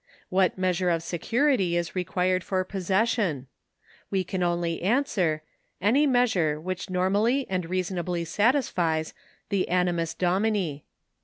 What measure of security is required for possession ? We can only answer : Any measure which normally and reasonably satisfies the animus domini.